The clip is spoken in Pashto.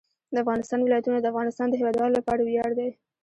د افغانستان ولايتونه د افغانستان د هیوادوالو لپاره ویاړ دی.